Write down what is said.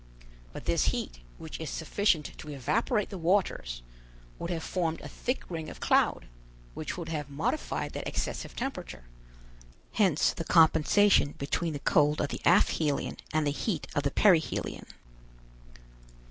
But this heat, which is sufficient to evaporate the waters, would have formed a thick ring of cloud, which would have modified that excessive temperature; hence the compensation between the cold of the aphelion and the heat of the perihelion."